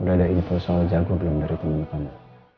udah ada info soal jago belum dari temen kamu